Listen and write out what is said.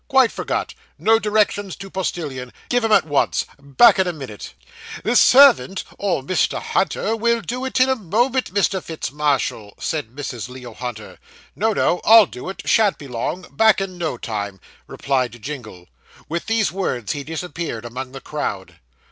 'Quite forgot no directions to postillion give 'em at once back in a minute.' 'The servant, or Mr. Hunter will do it in a moment, Mr. Fitz Marshall,' said Mrs. Leo Hunter. 'No, no I'll do it shan't be long back in no time,' replied Jingle. With these words he disappeared among the crowd.